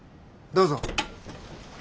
どうぞ。